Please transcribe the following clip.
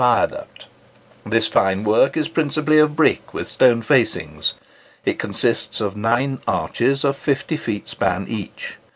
[Picture: Sankey Viaduct] This fine work is principally of brick, with stone facings. It consists of nine arches of fifty feet span each.